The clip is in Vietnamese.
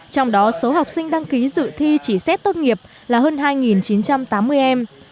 trong đó số học sinh đăng ký dự thi chỉ xét tốt nghiệp là hơn hai chín trăm tám mươi em